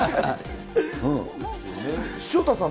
潮田さん